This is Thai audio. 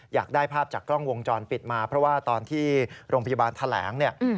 อยากได้ภาพจากกล้องวงจรปิดมาเพราะว่าตอนที่โรงพยาบาลแถลงเนี่ย